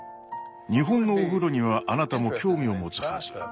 日本のお風呂にはあなたも興味を持つはず。